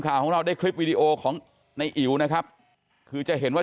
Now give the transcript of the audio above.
ข่าวของเราได้คลิปวีดีโอของในอิ๋วนะครับคือจะเห็นว่า